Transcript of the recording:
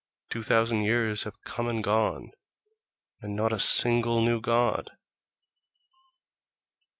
Two thousand years have come and gone—and not a single new god!